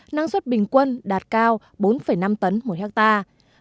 năng suất bình quân đạt cao bốn năm tấn một hectare